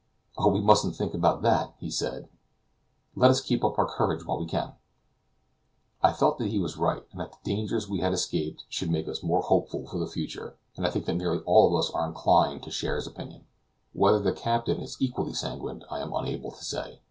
"Oh, we mustn't think about that," he said; "let us keep up our courage while we can." I felt that he was right, and that the dangers we had escaped should make us more hopeful for the future; and I think that nearly all of us are inclined to share his opinion. Whether the captain is equally sanguine I am unable to say.